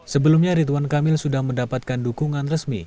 sebelumnya ridwan kamil sudah mendapatkan dukungan resmi